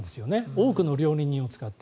多くの料理人を使って。